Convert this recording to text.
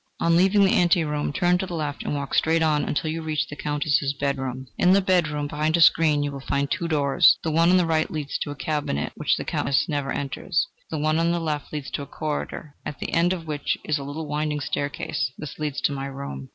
On leaving the ante room, turn to the left, and walk straight on until you reach the Countess's bedroom. In the bedroom, behind a screen, you will find two doors: the one on the right leads to a cabinet, which the Countess never enters; the one on the left leads to a corridor, at the end of which is a little winding staircase; this leads to my room."